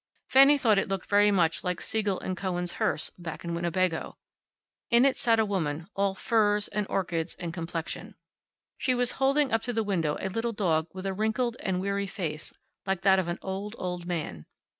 Fanny thought it looked very much like Siegel & Cowan's hearse, back in Winnebago. In it sat a woman, all furs, and orchids, and complexion. She was holding up to the window a little dog with a wrinkled and weary face, like that of an old, old man.